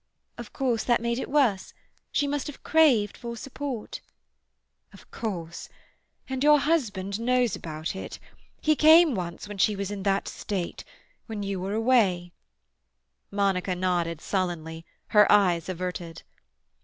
"Of course that made it worse. She must have craved for support." "Of course. And your husband knows about it. He came once when she was in that state—when you were away—" Monica nodded sullenly, her eyes averted.